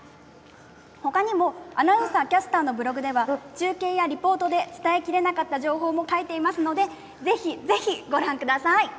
ほかにもアナウンサーキャスターのブログでは中継やリポートで伝えきれなかった情報も書いていますので、ぜひぜひご覧ください。